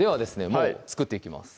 もう作っていきます